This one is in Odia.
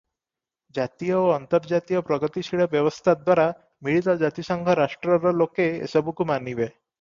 ଜାତୀୟ ଓ ଅନ୍ତର୍ଜାତୀୟ ପ୍ରଗତିଶୀଳ ବ୍ୟବସ୍ଥା ଦ୍ୱାରା ମିଳିତ ଜାତିସଂଘ ରାଷ୍ଟ୍ରର ଲୋକେ ଏସବୁକୁ ମାନିବେ ।